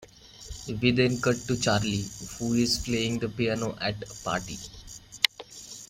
We then cut to Charlie who is playing the piano at a party.